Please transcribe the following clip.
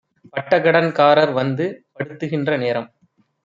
பட்டகடன் காரர்வந்து படுத்துகின்ற நேரம்